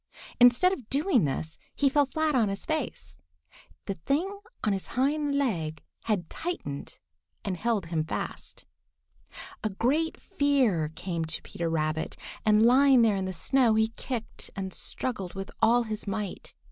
Instead of doing this, he fell flat on his face. The thing on his hind leg had tightened and held him fast. A great fear came to Peter Rabbit, and lying there in the snow, he kicked and struggled with all his might.